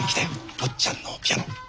坊ちゃんのピアノ。